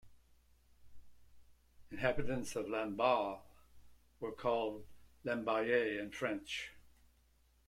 Inhabitants of Lamballe are called "lamballais" in French.